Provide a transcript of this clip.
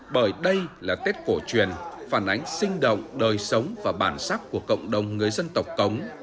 bởi đây là tết cổ truyền phản ánh sinh động đời sống và bản sắc của cộng đồng người dân tộc cống